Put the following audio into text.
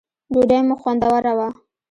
ډوډی مو خوندوره وه